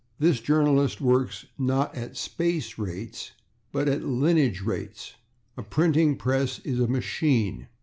This journalist works, not at /space/ rates, but at /lineage/ rates. A printing press is a /machine